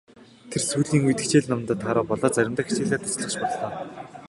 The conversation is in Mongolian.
Тэр сүүлийн үед хичээл номдоо тааруу болоод заримдаа хичээлээ таслах ч боллоо.